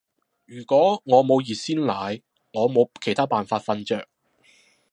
如果我冇熱鮮奶，我冇其他辦法瞓着